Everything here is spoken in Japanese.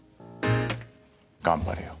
頑張れよ。